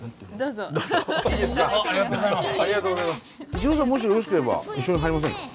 逸郎さんももしよろしければ一緒に入りませんか？